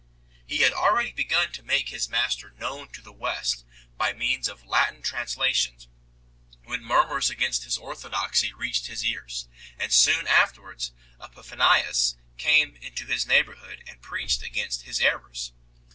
He had already begun to make his master known to the West by means of Latin translations, when murmurs against his orthodoxy reached his ears, and soon afterwards Epiphanius came into his neighbourhood and preached against his errors.